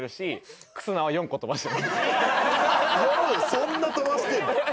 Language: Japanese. そんな飛ばしてんの？